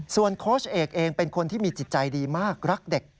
ส่วนโค้ชเอกเองเป็นคนที่มีจิตใจดีมากรักเด็ก